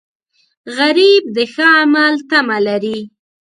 غریب د ښه عمل تمه لري